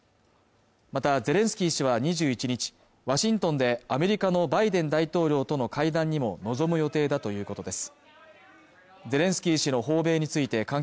またゼレンスキー氏は２１日ワシントンでアメリカのバイデン大統領との会談にも臨む予定だということです